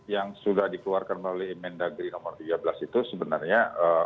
yang sudah dikeluarkan melalui mendagri nomor tiga belas itu sebenarnya